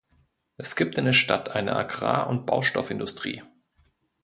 Es gibt in der Stadt eine Agrar- und Baustoffindustrie.